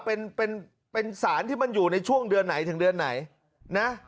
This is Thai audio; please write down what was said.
เป็นเป็นสารที่มันอยู่ในช่วงเดือนไหนถึงเดือนไหนนะ